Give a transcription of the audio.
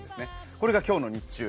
これが今日の日中。